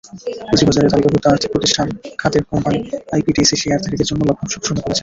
পুঁজিবাজারে তালিকাভুক্ত আর্থিক প্রতিষ্ঠান খাতের কোম্পানি আইপিডিসি শেয়ারধারীদের জন্য লভ্যাংশ ঘোষণা করেছে।